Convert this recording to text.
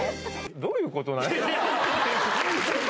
どういうことなの？